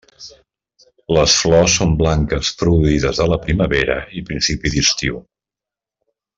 Les flors són blanques produïdes a la primavera i principi d'estiu.